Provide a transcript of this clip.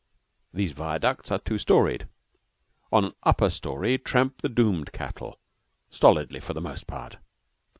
These viaducts are two storied. On the upper story tramp the doomed cattle, stolidly for the most part.